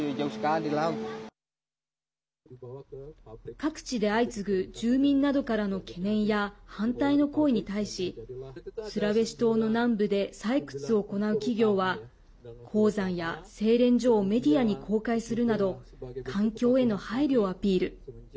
各地で相次ぐ、住民などからの懸念や反対の声に対しスラウェシ島の南部で採掘を行う企業は鉱山や製錬所をメディアに公開するなど環境への配慮をアピール。